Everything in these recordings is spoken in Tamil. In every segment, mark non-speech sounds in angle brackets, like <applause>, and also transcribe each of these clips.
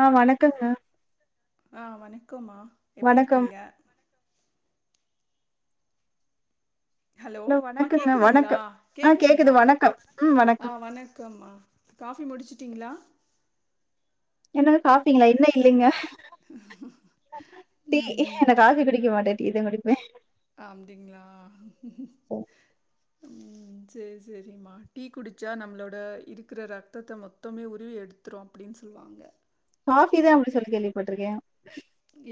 ஆ வணக்கங்க ஆ வண க்கமா எப்டி வணக்கம். இருக்கிங்க ஹலோ அம்மா வணக்கங்க கேக்குதுங்ளா வணக்கம். ஆ கேக்குது கேக்குதுங்ளா வணக்கம். ம் வணக்கம். ஆ வணக்கம்மா காஃபி முடிச்சுட்டிங்ளா என்னது காபிங்களா இன்னு இல்லைங்க டீ இல்ல நா ம் காஃபி குடிக்க மாட்டேன் டீ தா குடிப்பே அப்படிங்களா உம் சரி சரிம்மா டீ குடிச்சா நம்மளோட இருக்கிற ரத்தத்த மொத்தமே உருவி எடுத்துரும் அப்படின்னு சொல்லுவாங்க காஃபி தா அப்படி சொல்லி கேள்விப்பட்டிருக்கே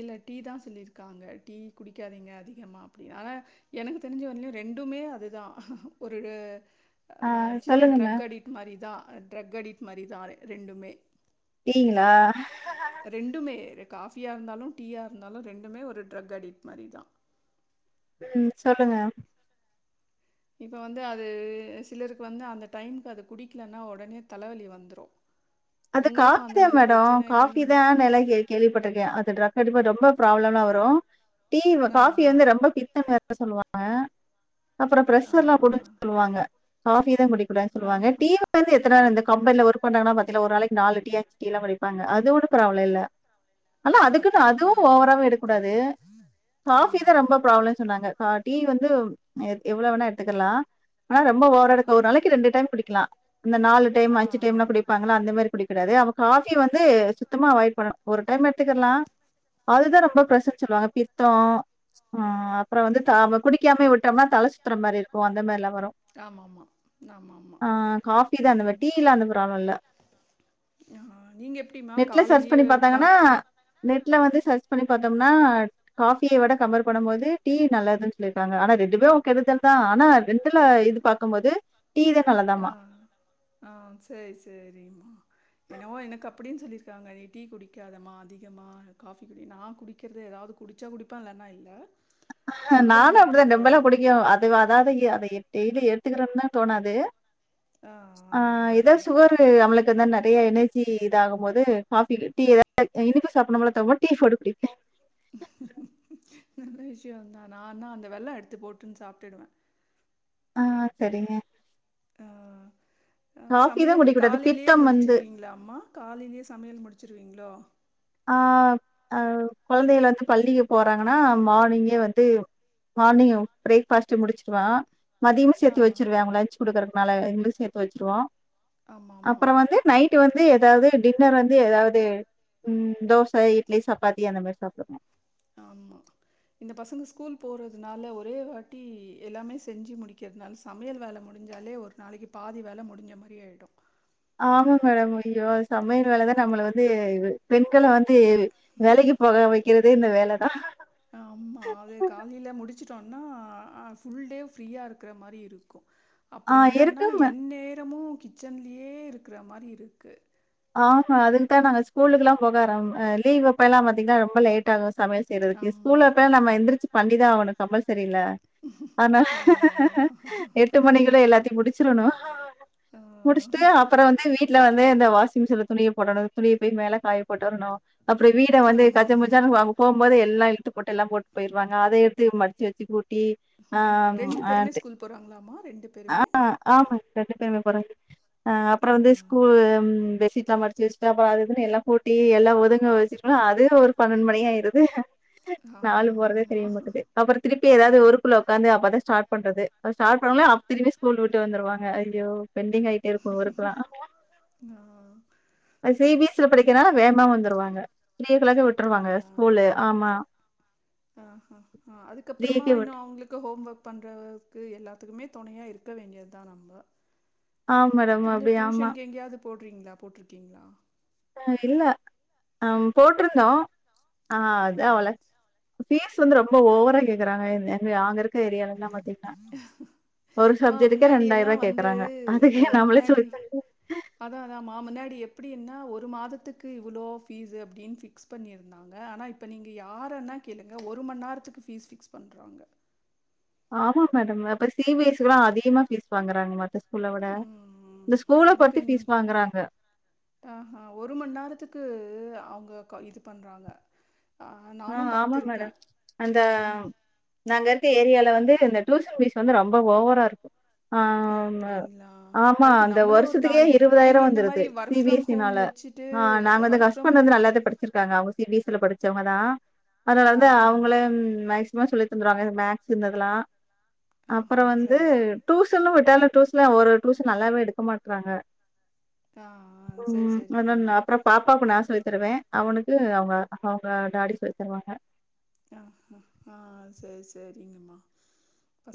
இல்ல டீ தா சொல்லிருக்காங்க டீ குடிக்காதீங்க அதிகமா அப்படின் ஆனா எனக்கு தெரிஞ்ச வரிலயும் ரெண்டுமே அதுதா ஒரு ஆ சின்ன ட்ரெக் அடிட்டு மாரிதா ட்ரக் அடிட் மாரி தா ரெண்டுமே டீ ங்களா ரெண்டுமே காஃபியா இருந்தாலும் டீயா இருந்தாலும் ரெண்டுமே ஒரு ட்ரக் அடிட்டு மாரி தா உம் சொல்லுங்க இப்ப வந்து அது சிலருக்கு வந்து அந்த டைம்கு அது குடிக்கலன்னா உடனே தலவலி வந்துரும் அது காஃபி தா மேடம் காபி தா உண்டு எல்லா கே கேள்விப்பட்டிருக்கேன் அது டிரக் ரொம்ப ரொம்ப ப்ராப்ளம்லா வரும் டீ ஆ காபி வந்து ரொம்ப பித்த வேற சொல்லுவாங்க ஆ அப்பற ப்ரெஷ் ஆ எல்லா கொண்டுவர சொல்லுவாங்க காஃபி தா குடிக்ககூடாதுன் ஆ சொல்வாங்க ஆ டீ வந்து எத்தன வேணா கம்பெனில ஒர்க் பண்றாங்னா பாருங் க ஒரு நாளைக்கு நாலு டீ அஞ்சு டீ எல்லா குடிப்பாங்க அது ஒண்ணு ப்ராப்ள இல்ல ஆனா அதுக்குன்னு அதுவு அப்படிங்களா ஓவராவு எடுக் கூடாது காஃபிதா ஆமாம் ரொம்ப பிராப்ளன் சொன்னாங்க ஹார்ட் டீ வந்து எ எவ்ள வேணா எடுத்துக்கர்லா ஆனா ரொம்ப ஓவரா எடுக்க ஒரு ஆமாம் நாளைக்கு ரெண்டு டைம் குடிக்கலா இந்த நாலு டைம் ஆ ஆ அஞ்சு டைம்லா குடி ஆமாம் அந்த மாரி குடிக்ககூடாது அப்ப காஃபி வந்து சுத்தமா அவாய்ட் பண்ணு ஒரு டைம் எடுத்துக்கர்லா அதுதா ரொம்ப பிரச்சன சொல்வாங்க பித்தோ ஆ அப்ற வந்து த குடிக்காமயே விட்டோம்னா தல சுத்தற மாரி இருக்கு அந்த மாரிலா வரு ஆமாம் ஆமாம் ஆமாம் ஆ காஃபி தா அந்த மாரி ம் டீ எல்லா அந்த ப்ராப்ளொ இல்ல ஆ நீங்க எப்டிமா நெட்ல சர்ச் காலைலயே பண்ணி பாத்தாங்கன்னா, பாப்பா நெட்ல வந்து சேர்ச் பண்ணி பாத்தோம்னா காஃபிய விட கம்பேர் பண்ணம் போது டீ நல்லதுன் சொல்லிருக்காங்க ஆனா ரெண்டுமே உ கெடுதல் தா ஆனா ரெண்டுல இது பாக்கும்போது டீ தா நல்லதாமா சேரி என்னவோ எனக்கு அப் அப்டின் சொல்லிருக்காங்க டீ குடிக்காதமா அதிகமா காஃபி குடி நா குடிக்கெற்து ஏதாவது குடிச்சா குடிப்ப இல்லன்னா இல்ல அ ஹ சொல்லுவாங்க நானு அப்டிதா ரொம்பல்லா எப்பயாவது குடிக்க அது அதாது அத டெய்லி எடுத்துக்றோன்தா தோணாது ஆ ஏதோ அதாம்மா சுகரு அவளுக்குந்தா நெறைய எண்ணெ டீ இதாகம் போது காஃபி டீ எதா <inaudible> இனிப்பு சாப்புன்னம் போல தோவு டீ ஃபோட்டு குடிப்பே நல்ல விஷயொந்தா நானா அந்த வெல்லோ எடுத்து போட்டுன் சாப்ட்டுடுவ ஆ சரிங்க ஆ, ஆ காஃபி தான் சமையலு குடிக்கக்கூடாது. காலைலயே பித்தம் வந்து முடிச்சிருவீங்ளாம்மா காலைலயே சமையல் முடிச்சிருவீ ங்ளோ ஆ அ கொழந்தையள வந்து பள்ளிக்கு போறாங்கன்னா மார்னிங்கே வந்து மார்னிங் பிரேக் ஃபாஸ்ட்டு முடிச்சிருவ மதியமு ஆ சேத்து வச்சிருவே அவுங்க லஞ்ச் குடுக்குற னால ரெண்டு சேத்து வச்சிருவோ ஆமாம் ஆமாம் அப்றோ வந்து நைட்டு வந்து ஏதாவ்து டின்னர் வந்து ஏதாவ்து உம் தோச இட்லி சப்பாத்தி அந்த மாரி சாப்டுவொ ஆமா இந்த பசங்க ஸ்கூல் போறதுனால ஒரே வாட்டி எல்லாமே செஞ்சி முடிகெற்துனால சமையல் வேல முடிஞ்சாலே ஒரு நாளக்கி பாதி வேல முடிஞ்ச மாரி ஆயிடு ஆமா மேடம் ஐயோ சமையல் வேலதா நம்மள வந்து பெண்கள வந்து வேலைக்கி போக வெக்கிறதே இந்த வேல தா ஆமா அது காலையில முடிச் சிட்டோன்னா ஆ ஃபுல் டே ஃப்ரீயா இருக்குற மாரி இருக்கு ஆ அப்டி இல்லன்னா இருக்கும் என் நேரமு கிச்சன்லியே இருக்குற மாரி இருக்கு ஆமா அதுக்குதா நாங்க ஸ்கூலுகுல்லா போக ஆரம் ஆ லீவ்வப்ப எல்லா பாத்தீங்னா ரொம்ப லேட் ஆகு சமையல் செய்றதுக்கே ஆமா. ஸ்கூலப்ப நம்ம எந்திரிச்சி பண்ணிதா ஆவனு கம்பல்ஸ் சரில ஆனா ஆமா, ஆமா. எட்டு மணிக்குள்ள எல்லாத்தையும் முடிச்சிறணு ஆ முடிச்சிட்டு அப்பறோ வந்து வீட்ல இதே இந்த வாஸ் மிஷின்ல துணிய போடணு துணிய போய் மேல காய போட்டு வரணு அப்றோ வீட வந்து ஆமா, கஜ ஆமா. முஜனு அவங்க போகும்போது எல்லா இழுத்து போட்டு எல்லா போட்டு போயிருவாங்க அத எடுத்து மடிச்சு வெச்சு கூட் டி ஆ பேருமே ஆன்ட்டு ஸ்கூல் போறாங்களாமா? பேருமே? ஆ ஆமா ரெண்டு பேருமே போறாங்க அப்புற வந்து ஆ. ஸ்கூல் சீட்லாம் மடிச்சு வச்சுட்டு அப்புறோ அது இதுன்னு எல்லாம் கூட்டி எல்லா ஒதுங்க வச்சுட்டோன அதே ஒரு பன்னெண்ட் மணி ஆயிருது ஆமா நாலும் போறதே ஆமா தெரிய மாட்டது அப்புற திருப்பி ஏதாது ஒர்க்குள்ள உக்காந்து அப்பதா ஸ்டா பண்றது ஸ்டாட் பண்ணோனே அப் திருப்பியும் ஸ்கூல் விட்டு வந்துருவாங்க ஐயோ பெண்டிங் ஆயிட்டே ருக்கும் ஒர்க்கெல்லா ஆ சி பி ஸ்ல படிக்கனால வேகமா வந்துருவாங்க த்ரீ ஓ கிளா விட்டுருவாங்க ஸ்கூலு ஆமா ஆ ஆ அதுக்கப்பறமா த்ரீக்கே இன்னு விட்டு அவங்களுக்கு ஹோம் ஒர்க் பண்ற ஒர்க் எல்லா குமே துணையா இருக்க வேண்டியத்தா நம்ம ஆ மேடம் அப்டியே ஆமா போடுறீங்ளா போட்டு இருக்கீங்ளா ஆ இல்ல ஆம் போட்ருந்தோம் ஆ அத அவல பீஸ் வந்து ரொம்ப ஓவரா கேக்குறாங்க நாங்க இருக் ஏரியாலல்லா பாத்தீங்னா ஒரு மா சப்ஜெக்டுக்கே முன்னாடி ரெண்டாயிர் எல்லாம் ரூவாய் வந்து கேக்குறாங்க அதுக்கு அ நம்மளே முன்னாடி சொல்லி தந்து ஒரு மாதத்துக்கு இவ்ளோ ஃபீஸ்ஸு அப்டீனு ஃபிக்ஸ் பண்ணிருந்தாங்க ஆனா இப்ப நீங்க யரேனா கேளுங்க ஒரு ம நேரத்துக்கு பீஸ் ஃபிக்ஸ் பண்றாங்க ஆமா மேடம் இப்ப சி பி எஸ் சில்லாம் அதிகமா பீஸ் வாங்குறாங்க மத்த ஸ்கூல விட. உம் இந்த ஸ்கூல அதுக்கு பொறுத்து ஃபீஸ் நீங்க வாங்குறாங்க. ஆ அ ஒரு மண் நேரத்துக்கு அவங்க க இது பண்றாங்க ஆ நானும் ஆமா மேடம் பார்த்துருக்கேன். அந்த ம். நாங்க இந்த ஏரியால வந்து இந்த டிசன் பீஸ் வந்து ரொம்ப ஓவரா இருக்கு ஆ அப்படிங்களா? ஆமா அதுக்கு அந்த நம்மளே ஒரு வருஷத்துக்கே நாய் இருவதாயிரோ நீங்க இந்த வந்துருது மாரி C work B from S C home னால வச்சுட்டு ஆ நா வந்து வொர்க் ஃப்ரம் ஹஸ்பண்ட் ஹோம் வந்து நல்லாதே படிச்சிருக்காங்க அவ சி பி எஸ் சி ல படிச்சவங்கதா அதனால ஆ. தா அவுங்களே மா சொல்லித் தந்துருவாங்க இது மேக்ஸ் இருந்ததெல்லா அப்புற ஆஹா! வந்து சரி, சரி. டூசன்ல விட்டாலு டிசன்ல ஒரு டிசன் நல்லாவே எடுக்க மாட்றாங்க ஆ, ஆ. சரி, உம் சரிங்கம்மா. என்னன்ன அப்புறோ பாப்பாக்கு <unintelligible> துருவே அவனுக்கு அவுங்க அவுங்க டாடி சொ ருவாங்க அ அ ஆ சேர் சேரிங்கம்மா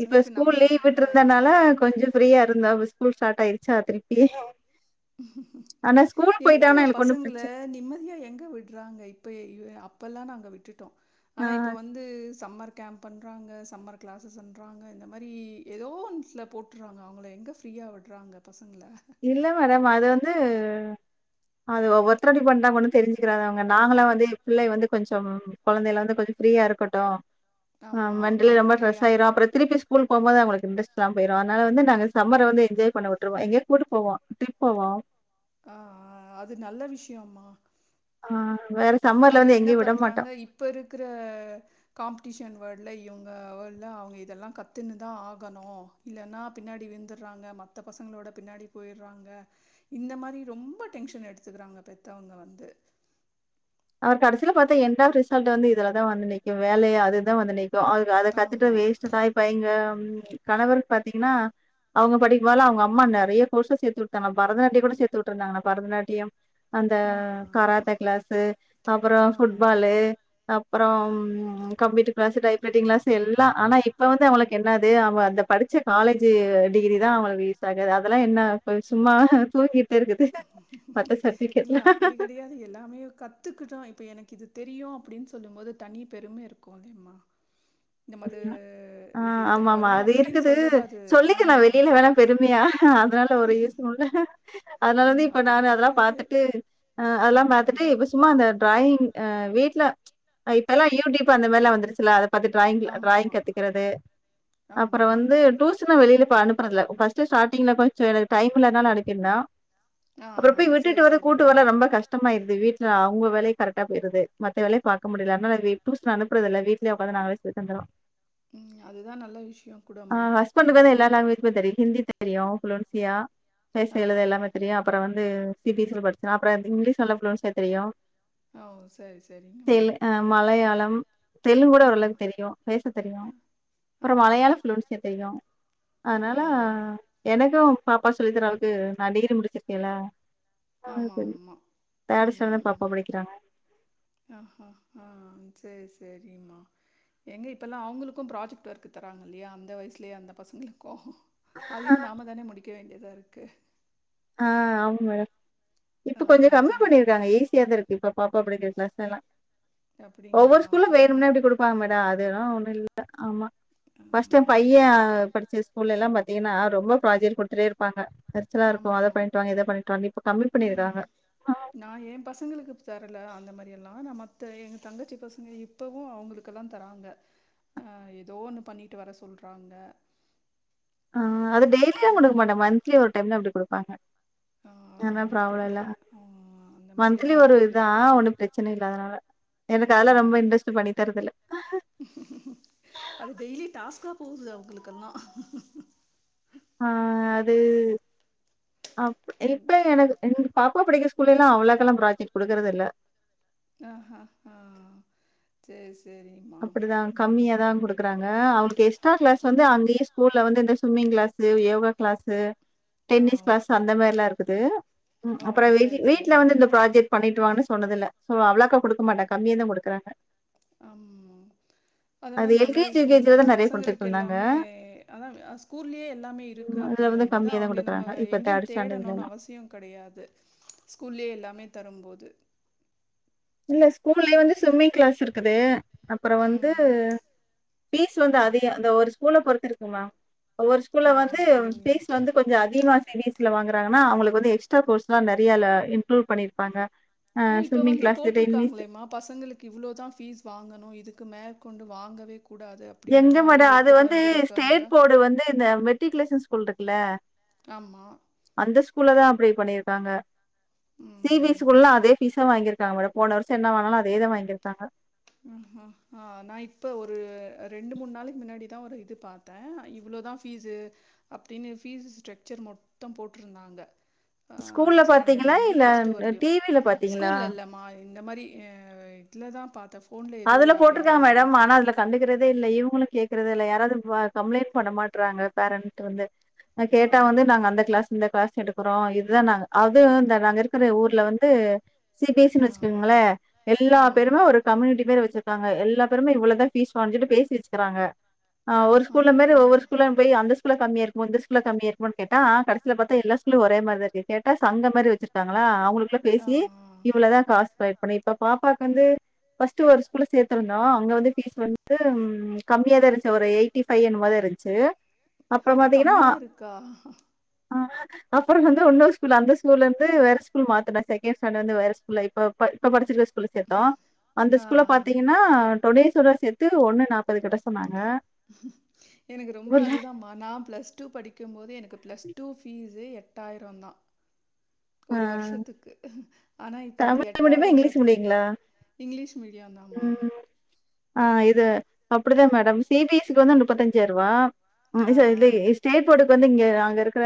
இப்ப ஸ்கூல் லீவ் விட்ருந்தனால இருக்கும். கொஞ்ச ஃப்ரியா இருந்தா ஸ்கூல் ஸ்டார்ட் ஆயிருச்சா திருப்பியு எங்கம்மா எங்களுக்கு ஒண்ணும் பசங்கல பிரச்சனை நிம்மதியா எங்க விட்றாங்க இப்ப அய்யோ அப் இப்பெல்லா நாங்க விட்டுட்டோ ஆ ஆனா இப்ப வந்து சம்மர் கேம்ப்ண்றாங்க சம்மர் கிளாஸஸுண்றாங்க இந்த மாரி ஏதோ ஒண்த்துல போட்றாங்க அவங்களே எங்க ஃப்ரியா விடறாங்க பசங் இல்ல மேடம் அது வந் து அது ஒவ்வொருத்தர் அப்டி பண்ட்டாங்க ஒன்னு தெரிஞ்சுக்கிறாதவங்க நாங்களா வந்து பிள்ளைக வந்து கொஞ்சம் கொழந்தைல இருந்து கொஞ்ச ஃப்ரியா இருக்கட்டு ஆ ஆமா. மெண்டலி அந்த ரொம்ப ட்ரெஸ் மாரியா? ஆய்ருவா அப்பறோ திருப்பியு ஸ்கூல் போம்போது அவுங்ளுக் இன்ட்ரஸ்ட் போயிரு அதனால வந்து நாங்க சம்மர வந்து என்ஜாய் பண்ண விட்ருவோ கூட்டு போவோ ட்ரிப் போவோ ஆ அது நல்ல விஷயமா ஆ வேற சம்மர்ல ஆனா வந்து என்ன எங்கேயும் விட பண்றாங்க மாட்டோம். இப்ப இருக்கற காம்ப்டிஷன் வேல்ட்ல இவங்க வேல்டுல அவங்க இதெல்லா கத்துனு தா ஆகணு இல்லன்னா பின்னாடி விழுந்தர்றாங்க மத்த பசங்களோட பின்னாடி போயிர்றாங்க இந்த மாரி ரொம்ப டென்ஷன் எடுத்துக்கறாங்க பெத்தவங்க வந்து அவ கடைசில பாத்தா என்டாஃப் ரிசல்ட் வந்து இதுலதா வந்து நிக்கு வேலையா அதுதா வந்து நிக் அதுங்க அத கத்துட்டு ஆமா வேஸ்ட் தா இப்ப எங்க ம் எ கணவரு பாத்தீங்னா அவுங்க படிக்கும் போத்ல அவங்கம்மா நெறைய கோர்ஸ்ல சேத்திவுட்டாங்க பரதநாட்டியங்கூட சேத்துட்ருந்தாங்கன்னா பரதநாட்டியம் அந்த ஆ கராத்தே கிளாஸு அப்புற ஆ ஃபுட்பாலு அப்புற computer class type writing class எல்லா ஆனா இப்ப வந்து அவங்ளுக்கு என்னது அவுங்க அந்த படிச்ச காலேஜ் டிகிரி தா அவங்ளுக்கு யூஸ் ஆகு அதெல்லா என்ன போய் சும்மா தூங்கி இருக்குது மத்த சர்டிஃபிகேட்லா கத்துக்கிட்டு இப்ப எனக்கு இது தெரியு அப்டின்னு சொல்லும் போது தனி பெரும இருக்குதிம்மா ஆ ஆமா ஆமா அது அப்டின்னு இருக்குது சொல்றது அது ஆ சொல்லிக்க நா வெளியில வேணாம் பெருமையா அதனால ஒரு யூஸ்சும் இல்ல அதனால இல்ல வந்து இப்ப நா அப்டி அதெல்லாம் கெடையாது பாத்துட்டு அ ஆ அதெல்லாம் பாத்துட்டு இப்போ சும்மா அந்த டிராயிங் ஆ வீட்டுல இப்பெல்லா யூடியூப் அந்த மாதிர லாம் வந்துருச்சு அத பாத்துட்டு டிராயிங்கல டிராயிங் ஆமாமா கத்துக்கிறது ஆமா ஆமா அப்புறம் வந்து ஆமா டுசனு வெளியில அனுப் ஃபர்ஸ்ட் ஸ்டிங்ல கொஞ்ச எனக்கு டைம் இல்லனால அனுப்பிருந்த ஆ அப்புறம் போய் விட்டு சரி வந்து கூட்டு சரிங்கம்மா வர ரொம்ப கஷ்டமாய் இருது வீட்டு த அவங்க வேலையே கரக்டா போயடுது மத்த வேலைய பாக்க முடியல அதனால டியூஷன் அனுப்புறது இல்ல வீட்டுலயே உட்காந்து நாங்கள சொல்லி தந்திரம் உம் அதுதா நல்ல விஷயம் கூடமா ஆ ஹஸ்பண்டுக்கு வந்து எல்லா லாங்குவேஜுமே தெரியும். ஹிந்தி தெரியும் புளர்சியா பேச எழுது எல்லாமே தெரியும் அப்புறம் வந்து அவர் சிபிசல படிச்சே அப்புறம் இங்கிலீஷ் நல்ல ஃப்ளுயன்சே தெரியும் ஆ ஓ சரி சரிங்கம்மா தெலு அ மலையாளம் தெலுங் கூட ஆ ஓரளவு தெரியு பேச தெரியு ஓ அப்புறம் மலையாள ஃப்ளுன்சியா தெரியு ஓ அதனால எனக்கும் பாப்பா சொல்லித்தர அளவுக்கு நா டிகிரி முடிச்சிருக்கேல்ல ஆமா ஆமா ஸ்டாண்டர்ட் தான் உம் பாப்பா படிக்கிறாங்க ஆஹ ஹா சேரி ச செரிம்மா எங்கே இப்போல்லா அவங்களுக்கும் ப்ராஜெக்ட் ஒர்க்கு தராங்க இல்லையா அந்த வயசுலயே அந்த பசங்களுக்கு அதையு நாம தானே முடிக்க வேண்டிய இதா இருக்கு ஆஹ் ஆமா மேடம் ஆ இப்ப கொஞ்சம் கம்மி சின்ன சின் பண்ணிருக்காங்க. ஈஸியா தா இருக்கு இப்ப பாப்பா படிக்கிற க்ளாஸ்லலா அப்படிங்களா? ஒவ்வொரு ஸ்கூல்ல அப்ப வேணும்னே வந்து அப்டி கொடுப்பாங்க மேட அதுல்லா ஒண்ணு இல் ப்ப ஆமா ஆ ஃபஸ்ட் டைம் பையன் படிச்ச ஸ்கூல்லலா பாத் த்தீங்கன்னா ரொம்ப ப்ராஜெக்ட் கொடுத்ட்டே இருப்பாங்க <unintelligible> ஆமாம் பண்ணிட்டு வாங்க இத பண்ணிட்டு வாங்க இப்ப கம்மி உம் பண்ணிருக்காங்க நா ஏ பசங்களுக்கு தரல அந்த மாரி எல்லா நம்ம எங்க தங்கச்சி பசங்க இப்பவு அவங்களுக்கெல்லா தராங்க அஹ் ஏதோ ஒன்னு பண்ணிட்டு வர சொல்றாங்க ஆ அது ஆ டெய்லியு கொடுக்க மாட்ட மந்த்லி ஒரு டைம் அப்டி கொடுப்பாங்க. ஆ ஆன பராப்ளம் இல்ல தெரியல. ஆ அந்த மன்த்லி மாரியெல்லாம் ஒரு இருக்கு. இதா ஒண்ணும் பிரச்சனை இல்ல அதனால எனக்கு அதல ம். ரொம்ப இன்ட்ரெஸ்ட் பண்ணி தரதுல போது அவங்களுக்கெல்லாம் ஆ அது அப் எப்ப ம் எனக்கு ம் பாப்பா படிக்க ஸ்கூல்ல எல்லாம் அவளக்கெல்லாம் ப்ராஜெக்ட் கொடுக்கிறதில்ல ஆ ஆ ஆ சரி சரி அப்படிதா கம்மியாதா குடுக்குறாங்க அவளுக்கு எக்ஸ்ட்ரா கிளாஸ் வந்து அங்கேயும் ஸ்கூல்ல வந்து இந்த சுவிம்மிங் கிளாசு யோகா கிளாசு ஆ டென்னிஸ் கிளாஸ் அந்த மாதிரி லாம் இருக்குது ஓ அப்புறம் சரி வீட்டுல சரிம்மா வந்து இந்த ப்ராஜெக்ட் பண்ணிட்டு வானு சொன்னதுல்ல சோ அவ்ளாக்கா கொடுக்க மாட்டே கம்மியா தா கொடுக்குறாங்க ஆம் அதெல்லா நல்ல எல்கேஜி, விஷயதா யுகேஜில ம்மா தான் நெறைய பசங்களுக்கு குடுத்துட்டுருந்தாங்க. எல்லாமே அதா ஸ்கூல்லயே எல்லாமே இருக்கு அதுல வந்து அப்படின்னும் போது கம்மியா தான் அவங்க நம்ம குடுக்குறாங்க. இப்ப எங்கேயும் தேர்ட் தேடணும்னு ஸ்டாண்டர்ட்லலாம். அவசியம் கிடையாது ஸ்கூல்லயே எல்லாமே தரும்போது இல்ல ஸ்கூல்ல வந்து ஸ்விம்மிங் கிளாஸ் இருக்குது அப்புறோ வந்து ம் பீஸ் வந்து அதி அந்த ஒரு ஸ்கூல பொறுத்து இருக்குமா ஒவ்வொரு ஸ்கூல்ல ஆ வந்து அப்படிங்களா பீஸ் வந்து கொஞ்சோ அத் விமாஸ் நிவீஸ்ல வாங்குறாங்கன்னா அவுங்களுக்கு வந்து எக்ஸ்ட்ரா கோர்ஸ்லா நெறைய இன்குளுட் பண்ணி இருப்பாங்க ஹ ஆனா, இப்ப ஸ்விம்மிங் வந்து கிளாஸ் டென்னிஸ் போட்டிருக்காங்களேம்மா பசங்களுக்கு இவ்வளோ தா ஃபீஸ் வாங்கணு இதுக்க மேற்கொண்டு வாங்கவே கூ எங்க மேடோ அது வந்து ஸ்டேட் போர்டு வந்து இந்த மெட்டிகுலேஷன் ஸ் கூல் இருக்குல ஆமா ஸ்கூல்ல தா அப்டி பண்ணிருக்காங்க ஷி பி ம். ஸ்கூல்லா அதே பீஸா வாங்கிக் இருக்காங்க மேடோ போன வருஷோ என்ன வாங்குனாங்கலோ அதேதா வாங்கிருக்காங்க ம்ம் ஆஹஹ ஆஹ நா இப்ப ஒரு ரெண்டு மூணு நாளைக்கு முன்னாடிதா ஒரு இது பாத்தே இவ்வளோதா பீஸ்சு அப்டின்னு பீஸ் ஸ்ட்ரக்சர் மொத்தோ போட்டிருந்தாங்க ஆ ஸ்கூல்ல ஃபர்ஸ்ட் ஸ்டாண்டர்ட்ல பாத்தீங்களா? இருந்து இல்ல பிளஸ் டூ வர்லயு டி வில பாத்தீங்களா? ஸ்கூல்ல இல்லமா இந்த மாரி ஆ இதுலதா பாத்தே அதுல போட்டிருக்காங்க மேடம் ஆனா அதுல கண்டுக்குறதே இல்ல இவுங்களும் கேக் குறது இல்ல யாராவது கம்ப்ளைண்டட் பண்ண மாட்றாங்க பேரண்ட் வந்து ஆ கேட்டா வந்து நாங்க அந்த கிளாஸ் இந்த கிளாஸ் எடுக்குறோ இதுதா நாங்க அது இந்த நாங்க இருக்குற ஊர்ல வந்து சி பி எஸ் னு ஆ வெச்சுக்கோங்களே எல்லா ஆ பேருமே ஒரு கம்யூனிட்டி பேர் வெச்சக்கங்க எல்லா பேருமே இவ்ளோதா பீஸ் வாஞ்ட்டு பேசி வெச்சிக்கறாங்க. ஒரு ஆஹா ஸ்கூல்ல மாரி ஆ ஒவ்வெரு ஸ்கூல்ல போய் அந்த ஸ்கூல் அந்த ஸ்கூல்ல கம்மியா இருக்குமோ இந்த ஸ்கூல்ல கம்மியா இருக்குமோனு கேட்டா கடைசில பாத்தா எல்லா ஸ்கூல்லையு ஒரே மாரி தா இருக் கேட்ட சங்கோ மாரி வெச்சிருக்காங்கள அவுகளுக் குள்ள ஆ பேசி இவ்ளோதா காசு அப்ப இப்ப பாப்பாக்கு வந்து பர்ஸ்ட் ஒரு ஸ்கூல சேத்திருந்தோ அங்க வந்து ஃபீஸ் வந்து கம்மியா தா இருந்துச்சு ஒரு எயிட்டி பைவ் என்னமோதா இருந்துச்சு அது கம்மியா இருக்கா அஹ அப்புறம் வந்து இன்னொரு ஸ்கூல் அந்த ஸ்கூல்ல இருந்து வேற ஸ்கூல் மாத்துனே செகேண்ட் ஸ்டாண்ட்ல இருந்து வேற ஸ்கூல்ல இப்ப இப்ப படிச்சிருக்க சேத்தோ அந்த ஆ ஸ்கூல பாத்தீங்கன்னா பீஸ்சோட சேத்து ஒன்னு நாற்பது கிட்ட சொன்னாங்க எனக்கு ரொம்ப ஊர்ல அது தா மா நா பிளஸ் டூ படிக்கும் போதே எனக்கு பிளஸ் டூ பீஸ்சே எட் எட்டாயிரோந்தா ஆ ஒரு வருஷத்துக்கு ஆனா இப்போ அந்த தமிழ் மீடியமா இங்கிலீஷ் எட்டாயிரன்றது மீடியங்களா இங்கிலிஷ் மீடியம் தான் மா ஆஹ் இது அப்படிதான் madam C B S C வந்து முப்பத்தஞ்சாயிரம் ரூபா ஆ <unintelligible> சார் இது ஸ்டேட் போடு வந்து இங்க நாங்க இருக்கிற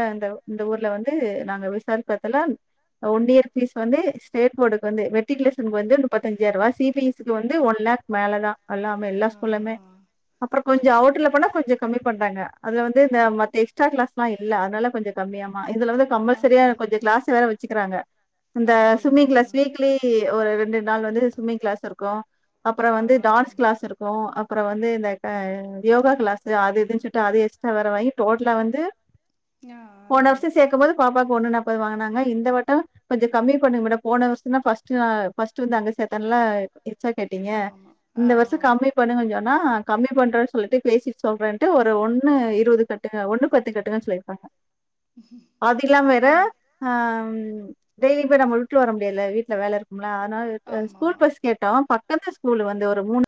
ஊர்ல வந்து நாங்க விசாரிப்பதல்லாம் ஒன் இயர் பீஸ் வந்து ஸ்டேட்போர்டு வந்து மெட்ரிகுலேசனுக்கு வந்து முப்பத்தஞ்சாயிர ரூபா சி பி எஸ் சி வந்து ஒன் லேக் மேல தான் எல்லாமே எல்லா ஆ ஆ ஸ்கூல்லுமே ஆ அப்புறம் கொஞ்சம் அதா அவுட்ல போனா கொஞ்சம் கம்மி பண்றாங்க அது வந்து இந்த அப் மத்த எக்ஸ்ட்ரா கிளாஸ் எல்லாம் இல்ல வில கொஞ்சம் கம்மியும் இதுல வந்து கம்பல்சரியா கொஞ்சம் கிளஸ் வேற வ ச்சுக்கிறாங்க அப்படிங்களா சும்மிங் க்ளாஸ் வீக்லி ஒரு ரெண்டு நாள் வந்து சும்மிங் கிளாஸ் இருக்கும் ஆ ஆ அப்புறம் வந்து டான்ஸ் கிளாஸ் இருக்கும் அப்புறம் வந்து இந்த யோகா கிளாஸ் அது எதுச்சுட்டு அது எக்ஸ்ட்ரா வேற வாங்கி டோட்டலா வந்து ஆ போன வருஷம் சேர்க்கும் போது பாப்பாக்கு ஒண்ணு நாப் பது வாங்குனாங்க இந்த வட்டம் கொஞ்சம் கம்மி பண்ணி விட போன வருஷம் தான் பர்ஸ்ட் நான் ஃபர்ஸ்ட் வந்து அங்க சேத்தன்லா எச்சா கேட்டீங்க ஆமாமா ஆ இந்த வருஷம் கம்மி பண்ணு கொஞ்சம் கம்மி பண்றேன்னு சொல்லிட்டு பேசிட்டு சொல்றேன்ட்டு ஒரு ஒண்ணு இருபது கட்டுங்க ஒன்னு பத்து கட்டுங்கன்னு சொல்லிருக்காங்க அத இல்லாம வேற ரொம் ஆஹ் டெய்லி போய் நம்ம விட்டுவர முடியல வீட்டுல வேலை இருக்கு ம்ல அதனால ஸ்கூல் ஆமாமா பஸ் கேட்டோ பக்க பக்கம்தா ஸ்கூல் வந்து ஒரு மூணு